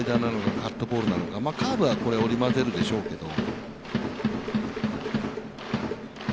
カーブは織り交ぜるでしょうけれども。